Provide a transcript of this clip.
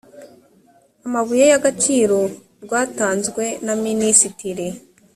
amabuye y agaciro rwatanzwe na minisitiri